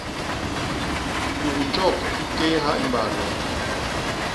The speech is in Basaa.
Kuknjok i téé ha i mbaa lom.